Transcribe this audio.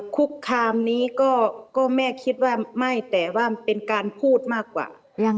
คุกคามนี้ก็แม่คิดว่าไม่แต่ว่าเป็นการพูดมากกว่า